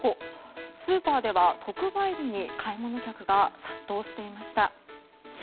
スーパーでは特売日に買い物客が殺到していました。